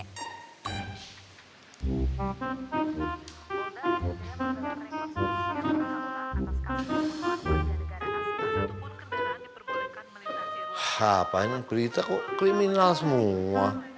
hah apaan ini berita kok kriminal semua